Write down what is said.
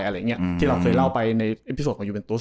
อะไรเงี้ยที่เราเคยเล่าไปในเอพิโสตของยูเวนตุส